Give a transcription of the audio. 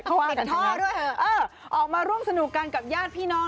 เข้าว่ากันทั้งนั้นเออออกมาร่วมสนุกกันกับญาติพี่น้อง